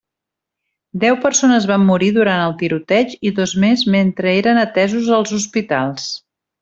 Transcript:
Deu persones van morir durant el tiroteig i dos més mentre eren atesos als hospitals.